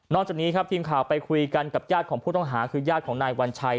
จากนี้ครับทีมข่าวไปคุยกันกับญาติของผู้ต้องหาคือญาติของนายวัญชัย